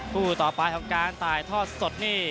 คู่ต่อไปของการถ่ายทอดสดนี่